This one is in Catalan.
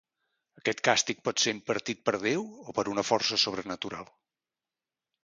Aquest càstig pot ser impartit per Déu o per una força sobrenatural.